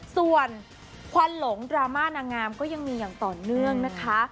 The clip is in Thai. ส่วนควันหลงดราม่านางงามก็ยังมีอย่างต่อเนื่องนะคะ